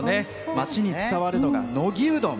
町に伝わるのが乃木うどん。